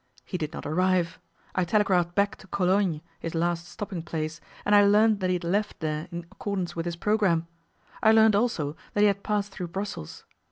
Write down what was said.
He did not arrive. I telegraphed back to Cologne, his last stopping place, and I learned that he had left there in accordance with his programme; I learned also that he had passed through Brussels.